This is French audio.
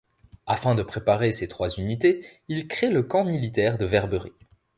Afin de préparer ces trois unités, il crée le camp militaire de Verberie.